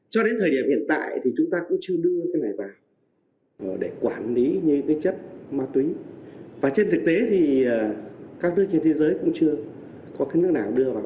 cho đến thời điểm hiện tại thì chúng ta cũng chưa đưa cái này vào để quản lý như cái chất ma túy và trên thực tế thì các nước trên thế giới cũng chưa có cái nước nào đưa vào